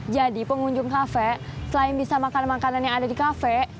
jadi pengunjung kafe selain bisa makan makanan yang ada di kafe